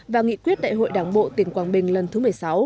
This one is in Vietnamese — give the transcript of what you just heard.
và nghị quyết đại hội đảng bộ tỉnh quảng bình lần thứ một mươi sáu